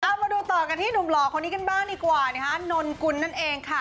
เอามาดูต่อกันที่หนุ่มหล่อคนนี้กันบ้างดีกว่านะฮะนนกุลนั่นเองค่ะ